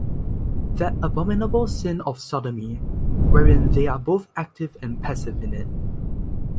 That abominable sin of sodomy, wherein they are both active and passive in it.